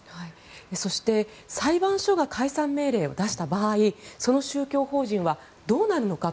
そして裁判所が解散命令を出した場合その宗教法人はどうなるのか。